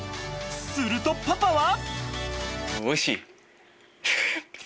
するとパパは。